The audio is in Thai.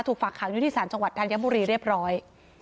ถูกฝากค้ำอยู่ที่สารจังหวัดทางย้ำบุรีเรียบร้อย